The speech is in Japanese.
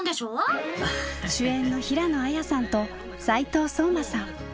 主演の平野綾さんと斉藤壮馬さん。